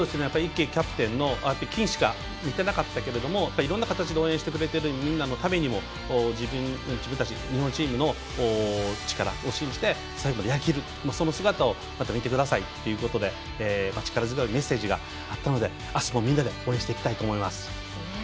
池キャプテンの金しか見てなかったけどいろんな形で応援してくれてるみんなのためにも自分たちのチームの力を信じて最後までやり切るその姿をまた見てくださいってことで力強いメッセージがあったのであすもみんなで応援していきたいと思います。